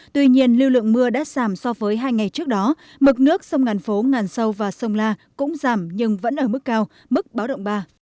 tuy nhiên lưu lượng mưa đã giảm so với hai ngày trước đó mực nước sông ngàn phố ngàn sâu và sông la cũng giảm nhưng vẫn ở mức cao mức báo động ba